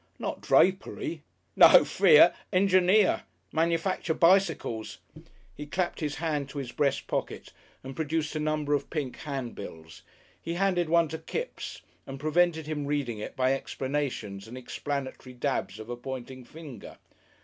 "Not drapery?" "No fear! Engineer. Manufacture bicycles." He clapped his hand to his breast pocket and produced a number of pink handbills. He handed one to Kipps and prevented him reading it by explanations and explanatory dabs of a pointing finger.